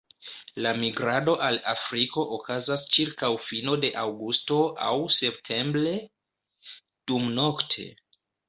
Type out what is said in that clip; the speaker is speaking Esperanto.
La migrado al Afriko okazas ĉirkaŭ fino de aŭgusto aŭ septembre, dumnokte.